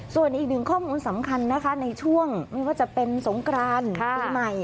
ส่วนอีกหนึ่งข้อมูลสำคัญนะคะในช่วงไม่ว่าจะเป็นสงกรานปีใหม่